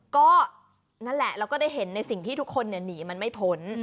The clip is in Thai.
ก็นั่นแหละเราก็ได้เห็นในสิ่งที่ทุกคนหนีมันไม่พ้น